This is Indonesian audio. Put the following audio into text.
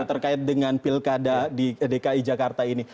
terkait dengan pilkada di dki jakarta ini